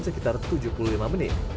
sekitar tujuh puluh lima menit